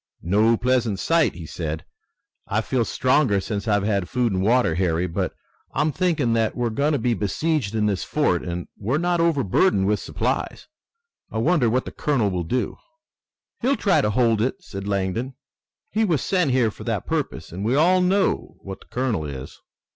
"No pleasant sight," he said. "I feel stronger since I've had food and water, Harry, but I'm thinking that we're going to be besieged in this fort, and we're not overburdened with supplies. I wonder what the colonel will do." "He'll try to hold it," said Langdon. "He was sent here for that purpose, and we all know what the colonel is."